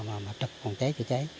mà mà trực còn cháy thì cháy